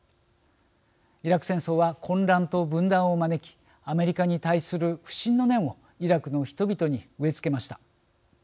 イラク戦争は、混乱と分断を招きアメリカに対する不信の念をイラクの人々に植え付けました。